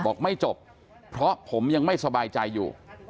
บอกไม่จบเพราะผมยังไม่สบายใจอยู่